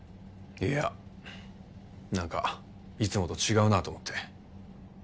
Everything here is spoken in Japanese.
いやなんかいつもと違うなと思って。